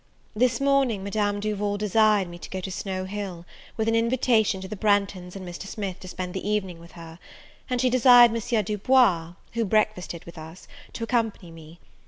This morning Madame Duval desired me to go to Snow Hill, with an invitation to the Branghtons and Mr. Smith to spend the evening with her; and she desired M. Du Bois, who breakfasted with us, to accompany me.